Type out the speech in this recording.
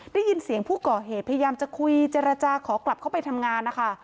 ได้ยินเสียงผู้ก่อเหตุพยายามจะคุยเจรจาขอกลับเข้าไปทำงานนะคะ